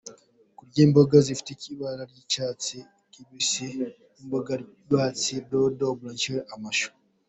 Kurya imboga: Zifite ibara ry’icyatsi kibisi nk’imboga rwatsi, dodo, broccoli, amashu,.